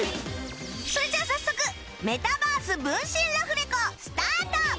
それじゃあ早速メタバース分身ラフレコスタート！